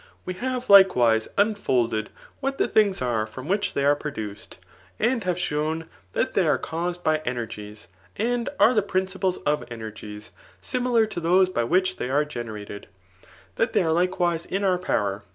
w» have likewise unfolded what the thmga a«i firom which they dre^ procfaiocd, and have shown* ihat ib(j ane caused by eoergici, and are the. prind|ile8 of eaei^es, simibur ta those by whicbtthey are genesacedi) diat they are l&ewise is our pomrer